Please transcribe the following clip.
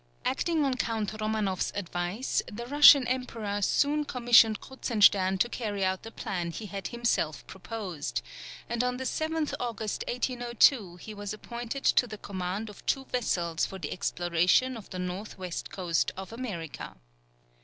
Acting on Count Romanoff's advice, the Russian Emperor soon commissioned Kruzenstern to carry out the plan he had himself proposed; and on the 7th August, 1802, he was appointed to the command of two vessels for the exploration of the north west coast of America.